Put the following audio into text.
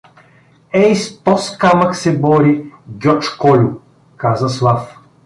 — Ей с тоз камък се бори Гьоч Кольо — каза Слав.